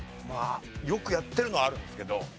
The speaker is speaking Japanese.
よくやってるのはあるんですけど。